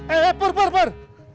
eh eh pur pur pur